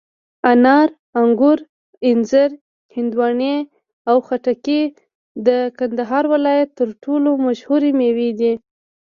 انار، انګور، انځر، هندواڼې او خټکي د کندهار ولایت تر ټولو مشهوري مېوې دي.